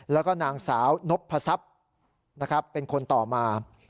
แล้วก็นางสาวนพศัพย์นะครับเป็นคนต่อมา